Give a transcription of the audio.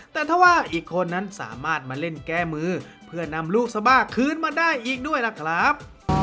แต่ถ้าว่าอีกคนนั้นสามารถมาเล่นแก้มือเพื่อนำลูกสบ้าคืนมาได้อีกด้วยล่ะครับ